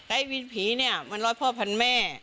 ไอ้วินผีเนี่ยมันร้อยพ่อพันแม่